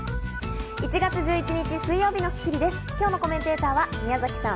１月１１日、水曜日の『スッキリ』です。